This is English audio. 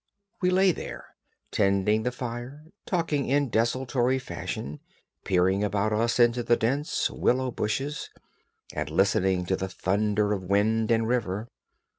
We lay there, tending the fire, talking in desultory fashion, peering about us into the dense willow bushes, and listening to the thunder of wind and river.